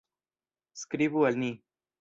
Skribu al ni.